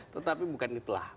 tetapi bukan itulah